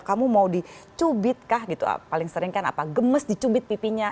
kamu mau dicubit kah gitu paling sering kan apa gemes dicubit pipinya